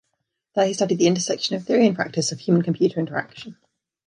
There, he studied the intersection of theory and practice of human-computer interaction.